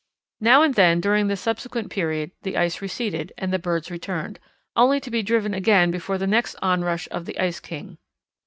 Now and then during the subsequent period the ice receded and the birds returned, only to be driven again before the next onrush of the Ice King.